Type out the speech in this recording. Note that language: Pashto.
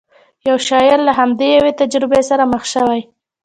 یو شاعر له همداسې یوې تجربې سره مخ شوی.